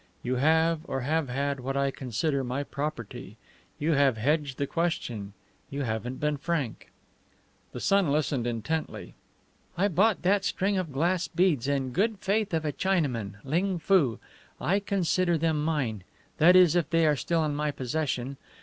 You have, or have had, what I consider my property. You have hedged the question; you haven't been frank." The son listened intently. "I bought that string of glass beads in good faith of a Chinaman Ling Foo. I consider them mine that is, if they are still in my possession.